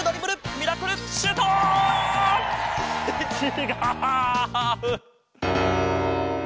ミラクルシュート！ってちがう！